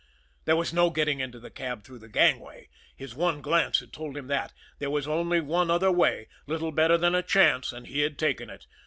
There was no getting into the cab through the gangway; his one glance had told him that. There was only one other way, little better than a chance, and he had taken it.